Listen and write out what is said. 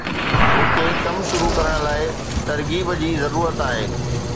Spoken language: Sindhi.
مون کي ڪم شروع ڪرڻ لاءِ ترغيب جي ضرورت آهي